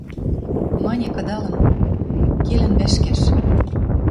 Мане, кыдалын. Келӹн вӓшкӓш.